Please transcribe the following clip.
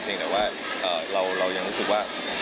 เพราะฉะนั้นว่าเรายังรู้สึกว่า